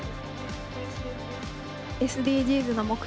ＳＤＧｓの目標